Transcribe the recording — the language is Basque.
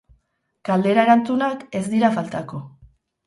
Galdera erantzunak ez dira faltako.